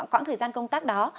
quãng thời gian công tác đó